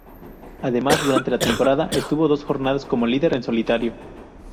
Además, durante la temporada, estuvo dos jornadas como líder en solitario.